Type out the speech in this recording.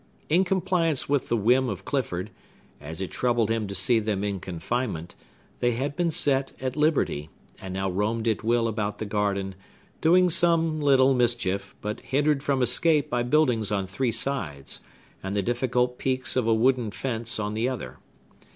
In compliance with a whim of Clifford, as it troubled him to see them in confinement, they had been set at liberty, and now roamed at will about the garden; doing some little mischief, but hindered from escape by buildings on three sides, and the difficult peaks of a wooden fence on the other.